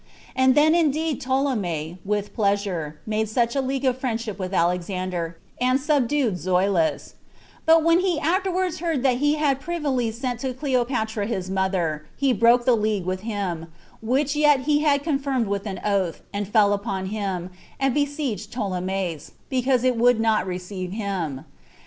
And then indeed Ptolemy, with pleasure, made such a league of friendship with Alexander, and subdued Zoilus; but when he afterwards heard that he had privily sent to Cleopatra his mother, he broke the league with him, which yet he had confirmed with an oath, and fell upon him, and besieged Ptolemais, because it would not receive him.